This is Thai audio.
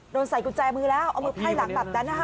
โดนใส่กุญแจมือแล้วเอามือไพ่หลังแบบนั้นนะคะ